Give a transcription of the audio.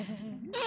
え！